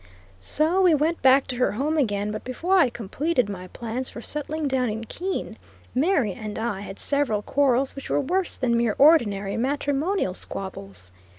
So we went back to her home again, but before I completed my plans for settling down in Keene, Mary and I had several quarrels which were worse than mere ordinary matrimonial squabbles.